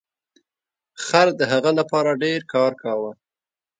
خر د هغه لپاره ډیر کار کاوه.